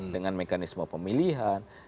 dengan mekanisme pemilihan